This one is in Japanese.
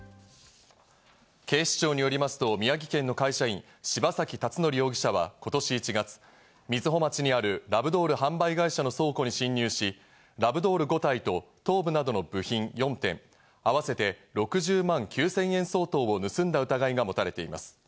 警視庁によりますと、宮城県の会社員・柴崎辰徳容疑者は今年１月、瑞穂町にあるラブドール販売会社の倉庫に侵入し、ラブドール５体と頭部などの部品４点、あわせて６０万９０００円相当を盗んだ疑いが持たれています。